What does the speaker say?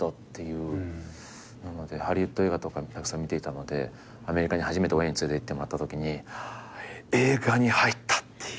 なのでハリウッド映画とかもたくさん見ていたのでアメリカに初めて親に連れていってもらったときに映画に入ったっていう。